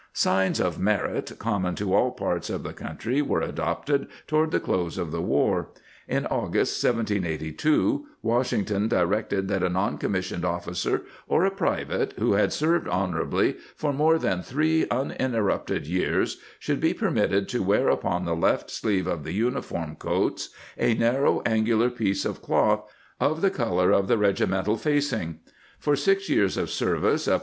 ^ Signs of merit, common to all parts of the country, were adopted toward the close of the war. In August, 1782, Washington directed that a non commissioned ofHcer or a private who had served honorably for more than three uninterrupted years should be permitted to wear upon the left sleeve of the uniform coats a narrow angular piece of cloth of the color of the regi 1 Magazine of American History, vol. i, p.